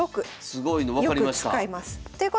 すごいの分かりました。